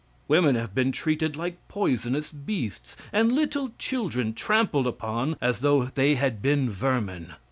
Women have been treated like poisonous beasts, and little children trampled upon as though they had been vermin.